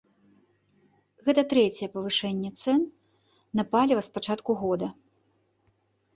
Гэта трэцяе павышэнне цэн на паліва з пачатку года.